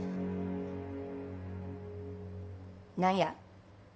何や。